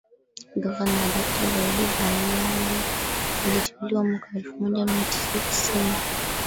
gavana dakta daudi ballali aliteuliwa mwaka elfu moja mia tisa tisini